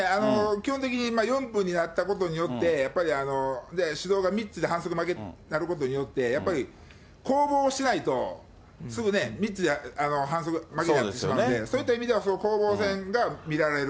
基本的に４分になったことによって、やっぱり、指導が３つで反則負けになることによって、やっぱり、攻防しないと、すぐね、３つで反則負けになってしまうんで、そういった意味では攻防戦が見られる。